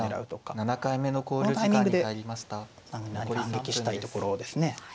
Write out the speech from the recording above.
このタイミングで何か反撃したいところですね。